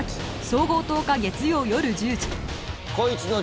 総合１０日月曜夜１０時